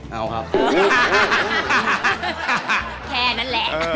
แค่นั้นแหละ